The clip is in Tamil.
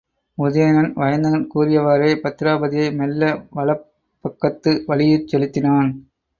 உதயணன் வயந்தகன் கூறியவாறே பத்திராபதியை மெல்ல வலப் பக்கத்து வழியிற் செலுத்தினான்.